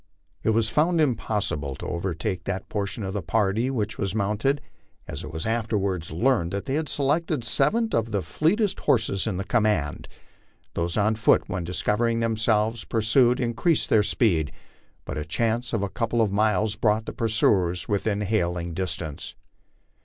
It was found impossible to overtake that portion of the party which was mounted, as it was afterwards learned that they had selected seven of the fleet est horses in the command. Those on foot, when discovering themselves pur sued, increased their speed, but a chase of a couple of miles brought the pur suers within hailing distance.